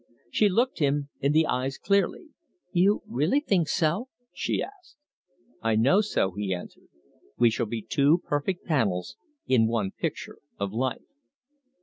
She looked him in the eyes clearly. "You really think so?" she asked. "I know so," he answered. "We shall be two perfect panels in one picture of life."